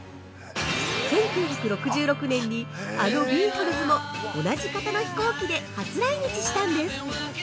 １９６６年に、あのビートルズも同じ型の飛行機で初来日したんです。